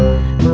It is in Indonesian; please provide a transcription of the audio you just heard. aku bisa mencoba